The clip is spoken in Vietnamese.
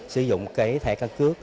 sử dụng cái thẻ căn cứ